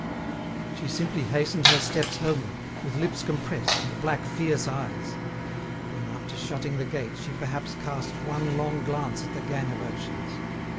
She simply hastened her steps homeward, with lips compressed, and black, fierce eyes. Then after shutting the gate, she perhaps cast one long glance at the gang of urchins.